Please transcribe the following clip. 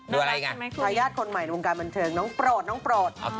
เค้ารู้ว่าคุณแม่ทำข่าวใส่ใคร